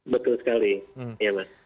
betul sekali iya mas